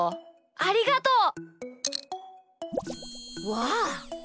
ありがとう！わあ！